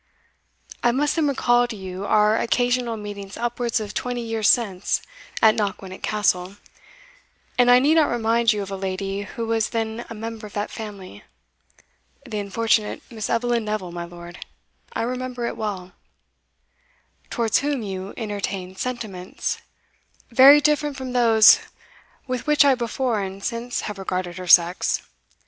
"I must then recall to you our occasional meetings upwards of twenty years since at Knockwinnock Castle, and I need not remind you of a lady who was then a member of that family." "The unfortunate Miss Eveline Neville, my lord; I remember it well." "Towards whom you entertained sentiments" "Very different from those with which I before and since have regarded her sex.